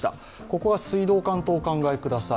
下が水道管とお考えください。